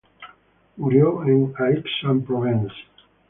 Murió en Aix-en-Provence.